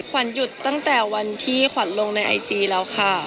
ขวัญหยุดตั้งแต่วันที่ขวัญลงในไอจีแล้วค่ะ